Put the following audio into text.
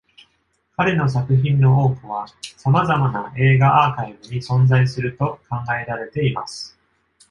彼の作品の多くは、様々な映画アーカイブに存在すると考えられています。